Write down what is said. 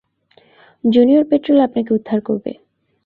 Junior patrol আপনাকে উদ্ধার করবে।